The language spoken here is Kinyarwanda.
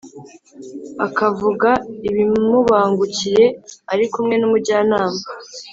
akavuga ibimubangukiye, ari kumwe n’umujyanama.